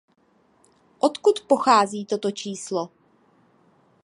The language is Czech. Odkud pochází toto číslo?